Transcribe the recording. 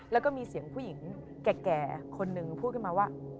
แล้วก็มีเสียงผู้หญิงแก่คนหนึ่งพูดขึ้นมาว่า